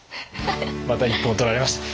また一本取られました。